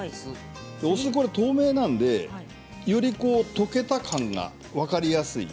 お酢、透明なのでより溶け感が分かりやすい。